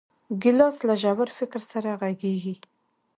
ګیلاس له ژور فکر سره غږېږي.